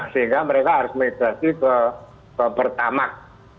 sehingga mereka harus migrasi ke pertamak